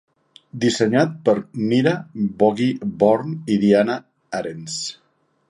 Dissenyat per Mirah, Bobby Burg i Diana Arens.